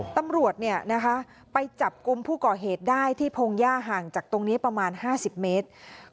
ตำรวจไปจับกลุ่มผู้ก่อเหตุได้ที่พงหญ้าห่างจากตรงนี้ประมาณ๕๐เมตร